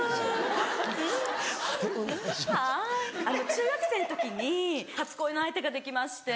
中学生の時に初恋の相手ができまして。